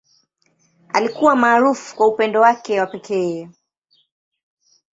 Alikuwa maarufu kwa upendo wake wa pekee.